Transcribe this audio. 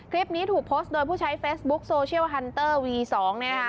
คลิปนี้ถูกโพสต์โดยผู้ใช้เฟซบุ๊คโซเชียลฮันเตอร์วี๒เนี่ยนะคะ